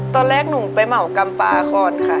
ตอนแรกหนูไปเหมากำปลาก่อนค่ะ